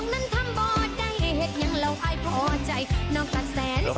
เราค่ะจริงครับ